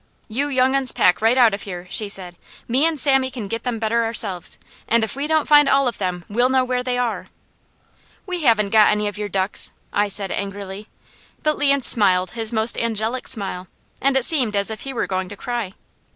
"You younguns pack right out of here," she said. "Me and Sammy can get them better ourselves, and if we don't find all of them, we'll know where they are." "We haven't got any of your ducks," I said angrily, but Leon smiled his most angelic smile, and it seemed as if he were going to cry.